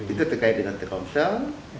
itu terkait dengan telekomsel